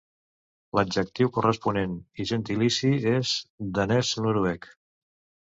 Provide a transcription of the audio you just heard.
L'adjectiu corresponent i gentilici és danès-noruec.